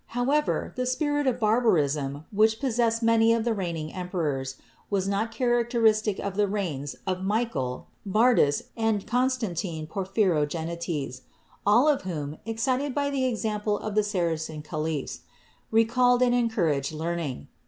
However, the spirit of barbarism which possessed many of the reigning emperors was not characteristic of the reigns of Michael, Bardas and Constantine Porphyrogenetes, all of whom, excited by the example of the Saracen caliphs, recalled and encouraged learning.